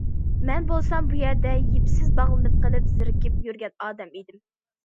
مەن بولسام، بۇ يەردە يىپسىز باغلىنىپ قېلىپ، زېرىكىپ يۈرگەن ئادەم ئىدىم.